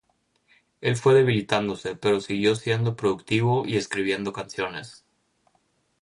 Él fue debilitándose, pero siguió siendo productivo y escribiendo canciones.